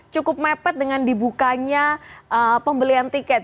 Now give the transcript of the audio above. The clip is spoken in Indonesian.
cukup mepet dengan dibukanya pembelian tiket